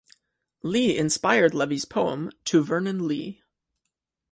Lee inspired Levy's poem To Vernon Lee.